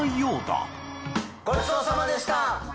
ごちそうさまでした！